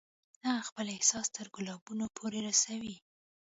هغه خپل احساس تر ګلابونو پورې رسوي